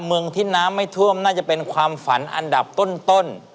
เมืองที่น้ำไม่ท่วมน่าจะเป็นความฝันอันดับต้น